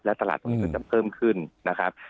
และตราบจะเพิ่มขึ้นนะครับ